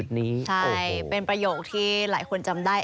ใช่เป็นประโยคที่หลายคนจำได้